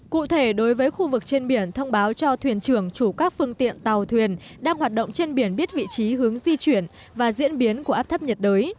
cụ thể đối với khu vực trên biển thông báo cho thuyền trưởng chủ các phương tiện tàu thuyền đang hoạt động trên biển biết vị trí hướng di chuyển và diễn biến của áp thấp nhiệt đới